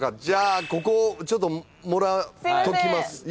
じゃあここちょっともらっときます。